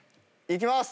いきます！